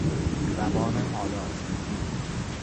زبان حالات